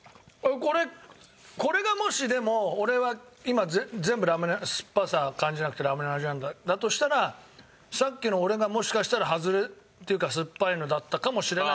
これこれがもしでも俺は今全部ラムネすっぱさ感じなくてラムネの味なんだとしたらさっきの俺がもしかしたらはずれっていうかすっぱいのだったかもしれないけど。